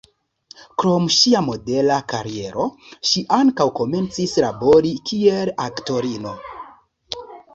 Krom ŝia modela kariero, ŝi ankaŭ komencis labori kiel aktorino.